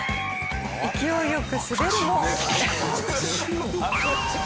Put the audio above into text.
勢いよく滑るも。